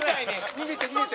逃げて逃げて。